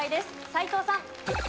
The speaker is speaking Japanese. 斎藤さん。